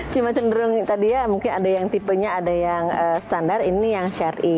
cuma cenderung tadi ya mungkin ada yang tipenya ada yang standar ini yang syari